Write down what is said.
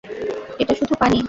এটা শুধু পানি।